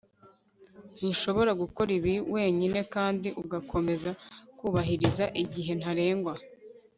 ntushobora gukora ibi wenyine kandi ugakomeza kubahiriza igihe ntarengwa